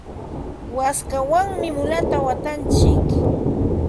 waskawanmi mulata watantsik.